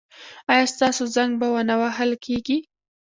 ایا ستاسو زنګ به و نه وهل کیږي؟